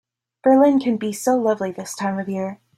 Berlin can be so lovely this time of year.